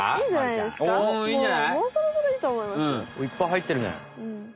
いっぱいはいってるね。